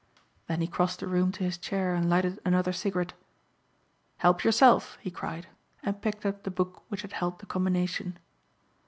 Then he crossed the room to his chair and lighted another cigarette. "Help yourself," he cried and picked up the book which had held the combination.